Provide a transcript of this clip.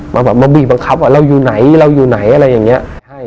มาแบบมาบีบบังคับว่าเราอยู่ไหนเราอยู่ไหนอะไรอย่างเงี้ย